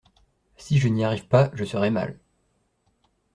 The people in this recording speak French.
Si je n’y arrive pas je serai mal.